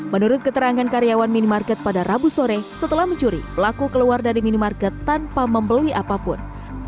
menurut keterangan karyawan minimarket pada rabu sore setelah mencuri pelaku keluar dari minimarket tanpa membeli apapun